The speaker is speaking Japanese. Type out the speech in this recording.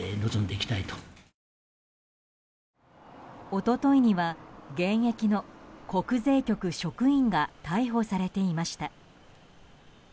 一昨日には現役の国税局職員が逮捕されていました。